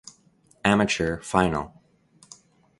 Amateur final.